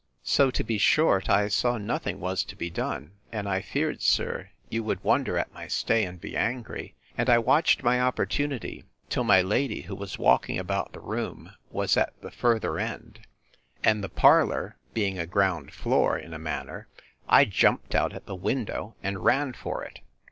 So, to be short, I saw nothing was to be done; and I feared, sir, you would wonder at my stay, and be angry; and I watched my opportunity, till my lady, who was walking about the room, was at the further end; and the parlour being a ground floor, in a manner, I jumped out at the window, and ran for it.